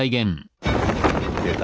出た。